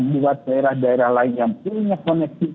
buat daerah daerah lain yang punya koneksi